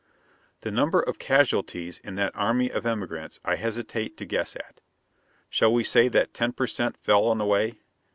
The number of casualties in that army of emigrants I hesitate to guess at. Shall we say that ten per cent fell on the way?